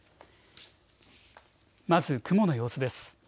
まず雲の様子です。